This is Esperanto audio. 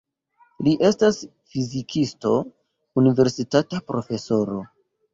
Li estas fizikisto, universitata profesoro.